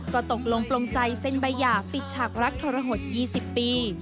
ก็ตกลงปลงใจเซ็นใบหย่าปิดฉากรักทรหด๒๐ปี